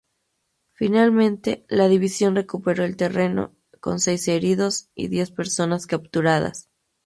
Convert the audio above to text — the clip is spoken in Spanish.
Finalmente, la División recuperó el terreno, con seis heridos y diez personas capturadas.